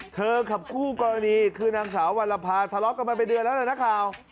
เธอกับคู่กรณีคือนางสาววันละพาทะเลาะกันมาไปเดือนแล้วเหรอนะคราว